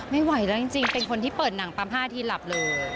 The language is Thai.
ไม่ไหวแล้วจริงเป็นคนที่เปิดหนังปั๊ม๕ทีหลับเลย